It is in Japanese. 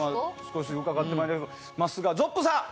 少し伺ってまいりますがｚｏｐｐさん！